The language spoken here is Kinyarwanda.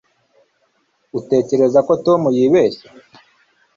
uratekereza ko tom yibeshye